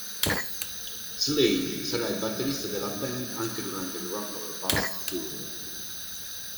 Slade sarà il batterista della band anche durante il Rock or Bust tour.